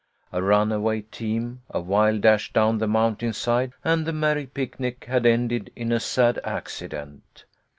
A runaway team, a wild dash down the mountainside, and the merry picnic had ended in a sad accident.